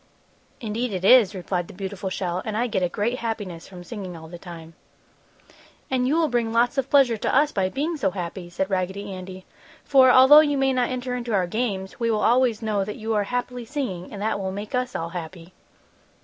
"Indeed it is," replied the beautiful shell, "and I get a great happiness from singing all the time." "And you will bring lots of pleasure to us, by being so happy!" said Raggedy Andy. "For although you may not enter into our games, we will always know that you are happily singing, and that will make us all happy!"